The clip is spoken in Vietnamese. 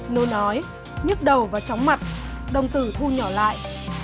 nôi nói nhức đầu và tróng mặt đồng tử thu nhỏ lại